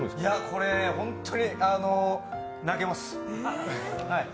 これ、本当に泣けます。